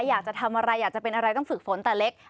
อยากจะทำอะไรอยากจะเป็นอะไรต้องฝึกฝนแต่เล็ก